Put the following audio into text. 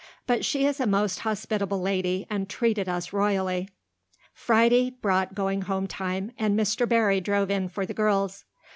But she is a most hospitable lady and treated us royally." Friday brought going home time, and Mr. Barry drove in for the girls.